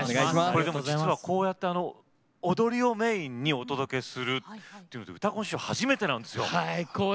こうやって踊りをメインでお届けするのは「うたコン」史上初めてなんですよ。